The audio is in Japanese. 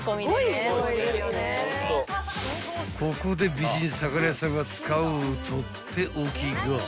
［美人魚屋さんが使うとっておきが］